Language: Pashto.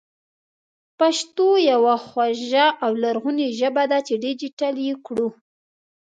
پښتو يوه خواږه او لرغونې ژبه ده چې ډېجېټل يې کړو